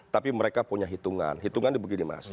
tapi mereka punya hitungan hitungannya begini mas